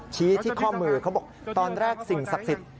ชี้ที่ข้อมือเขาบอกตอนแรกสิ่งศักดิ์สิทธิ์